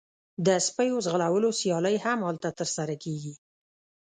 د سپیو ځغلولو سیالۍ هم هلته ترسره کیږي